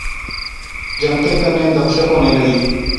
جنگتیں کنے گپ شپ ہونے لغی